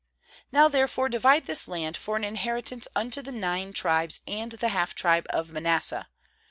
7Now therefore divide this land for an inheritance unto the nine tribes, and the half tribe of Manasseh.'